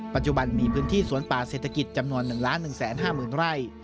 ปัจจุบันมีพื้นที่สวนป่าเศรษฐกิจจำนวน๑๑๕๐๐๐ไร่